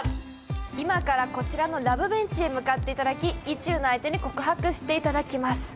今からこちらのラブベンチへ向かっていただき意中の相手に告白していただきます